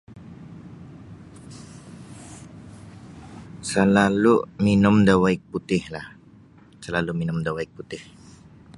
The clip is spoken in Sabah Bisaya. Salalu minum da waig putih lah salalu minum da waig putih.